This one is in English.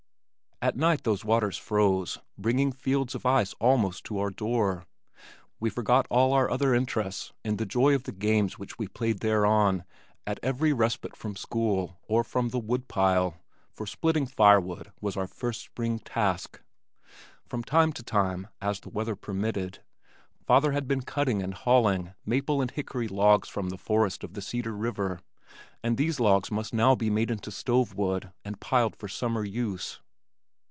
At night these waters froze, bringing fields of ice almost to our door. We forgot all our other interests in the joy of the games which we played thereon at every respite from school, or from the wood pile, for splitting firewood was our first spring task. From time to time as the weather permitted, father had been cutting and hauling maple and hickory logs from the forests of the Cedar River, and these logs must now be made into stove wood and piled for summer use.